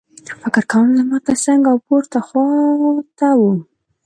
فکر کوم چې زما ترڅنګ او پورته خوا ته وو